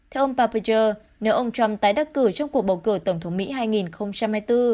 theo ông papicher nếu ông trump tái đắc cử trong cuộc bầu cử tổng thống mỹ hai nghìn hai mươi bốn